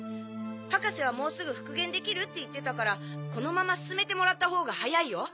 博士はもうすぐ復元できるって言ってたからこのまま進めてもらったほうが早いよ。